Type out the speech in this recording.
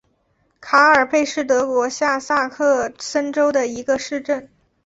卡尔贝是德国下萨克森州的一个市镇。